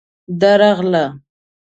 _درغله.